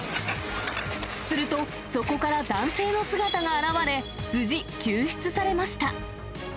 すると、そこから男性の姿が現れ、無事、救出されました。